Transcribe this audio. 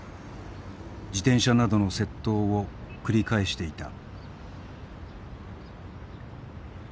自転車などの窃盗を繰り返していた。